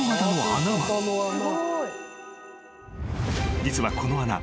［実はこの穴。